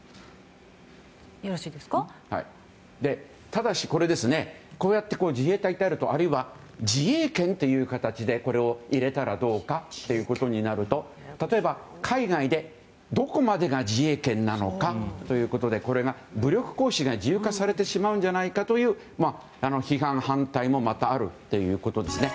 ただし、こうやって自衛隊ってあるとあるいは自衛権という形でこれを入れたらどうかということになると例えば、海外でどこまでが自衛権なのかということでこれが武力行使が自由化されてしまうんじゃないかという批判、反対もまたあるということですね。